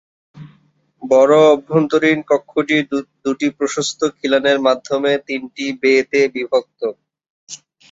বড় অভ্যন্তরীণ কক্ষটি দুটি প্রশস্ত খিলানের মাধ্যমে তিনটি ‘বে’তে বিভক্ত।